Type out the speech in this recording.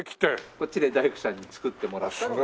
こっちで大工さんに造ってもらったのが。